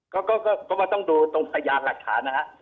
ก็มาต้องดูตรงพยานหลักฐานนะครับ